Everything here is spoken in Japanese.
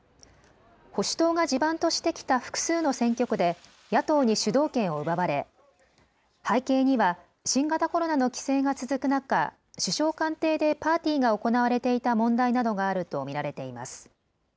保守党が地盤としてきた複数の選挙区で野党に主導権を奪われ背景には新型コロナの規制が続く中、首相官邸でパーティーが行われていた問題などがあると見られています。